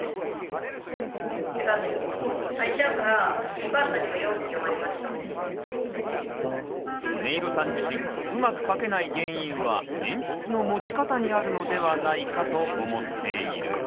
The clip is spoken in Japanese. お母さんにもねいろさん自身うまく書けない原因は鉛筆の持ち方にあるのではないかと思っている。